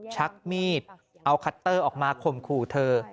ชักมีดเอาคัตเตอร์ออกมาข่มขู่เธอ